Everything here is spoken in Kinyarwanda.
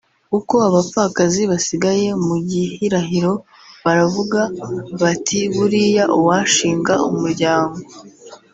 uko abapfakazi basigaye mu gihirahiro baravuga bati ‘buriya uwashinga umuryango